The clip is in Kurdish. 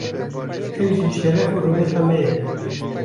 ev jî şeref û rûmeta me ye.